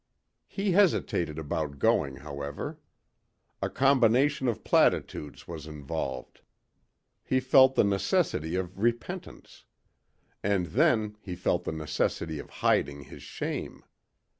He hesitated about going, however. A combination of platitudes was involved. He felt the necessity of repentance. And then he felt the necessity of hiding his shame.